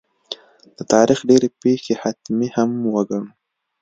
د تاریخ ډېرې پېښې حتمي هم وګڼو.